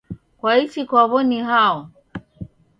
Kwaichi kwao ni hao?